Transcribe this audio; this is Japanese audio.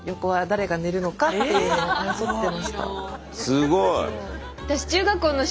すごい。